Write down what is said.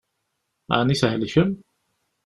Ɛni thelkem?